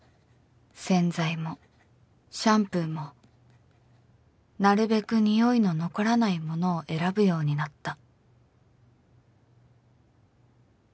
洗剤もシャンプーもなるべく匂いの残らないものを選ぶようになった」